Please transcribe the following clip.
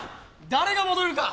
誰が戻るか！